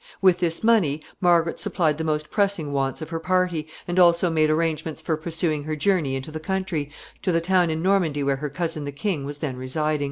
With this money Margaret supplied the most pressing wants of her party, and also made arrangements for pursuing her journey into the country, to the town in Normandy where her cousin the king was then residing.